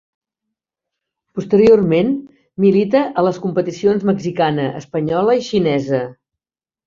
Posteriorment milita a les competicions mexicana, espanyola i xinesa.